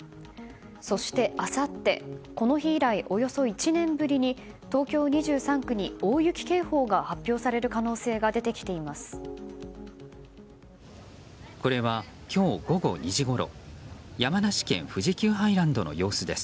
そしてあさってこの日以来およそ１年ぶりに東京２３区に大雪警報が発表される可能性が出てきています。